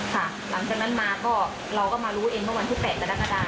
หลังจากนั้นมาก็เราก็มารู้เองเมื่อวันที่๘กรกฎา